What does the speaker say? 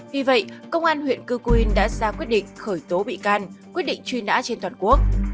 vì vậy công an huyện cư quyên đã ra quyết định khởi tố bị can quyết định truy nã trên toàn quốc